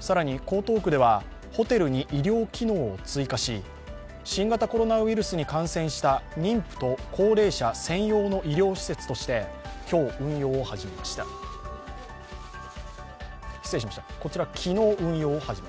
更に江東区ではホテルに医療機能を追加し新型コロナウイルスに感染した妊婦と高齢者専用の医療施設として昨日、運用を始めました。